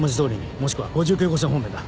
もしくは５９号線方面だ。